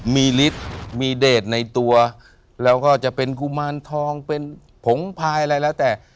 มีฤทธิ์มีเดทในตัวแล้วก็จะเป็นกุมารทองเป็นผงพายอะไรแล้วแต่